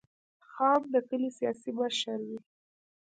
خان د کلي سیاسي مشر وي.